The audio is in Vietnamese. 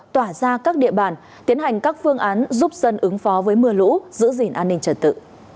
tỏa ra các địa bàn tiến hành các phương án giúp dân ứng phó với mưa lũ giữ gìn an ninh trật tự